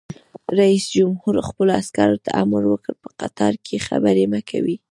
رئیس جمهور خپلو عسکرو ته امر وکړ؛ په قطار کې خبرې مه کوئ!